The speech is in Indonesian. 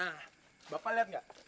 nah bapak lihat nggak